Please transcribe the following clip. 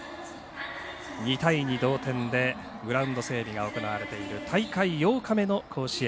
２対２、同点でグラウンド整備が行われている大会８日目の甲子園。